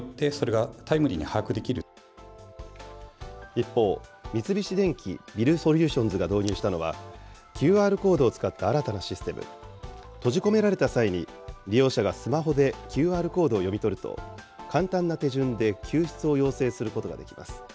一方、三菱電機ビルソリューションズが導入したのは、ＱＲコードを使った新たなシステム、閉じ込められた際に、利用者がスマホでＱＲコードを読み取ると、簡単な手順で救出を要請することができます。